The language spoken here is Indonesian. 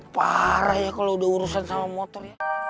parah ya kalau udah urusan sama motor ya